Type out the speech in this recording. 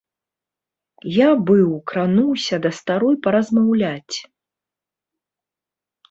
Я, быў, крануўся да старой паразмаўляць.